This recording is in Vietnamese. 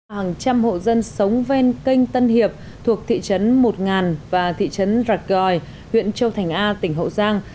hàng trăm hộ dân sống ven kênh tân hiệp thuộc thị trấn một ngàn và thị trấn rạch gòi huyện châu thành a tỉnh hậu giang